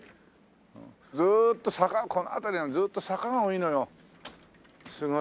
ずーっと坂この辺りはずーっと坂が多いのよすごい。